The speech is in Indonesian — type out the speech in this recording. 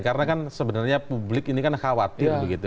karena kan sebenarnya publik ini kan khawatir